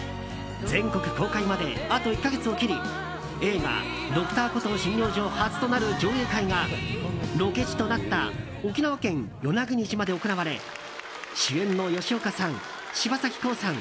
全国公開まであと１か月を切り映画「Ｄｒ．コトー診療所」初となる上映会がロケ地となった沖縄県与那国島で行われ主演の吉岡さん、柴咲コウさん